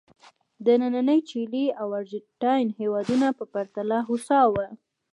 د نننۍ چیلي او ارجنټاین هېوادونو په پرتله هوسا وو.